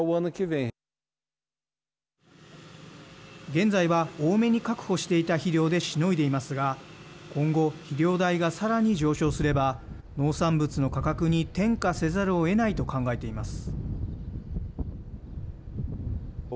現在は多めに確保していた肥料でしのいでいますが今後、肥料代がさらに上昇すれば農産物の価格に転嫁せざるをえないと考えています。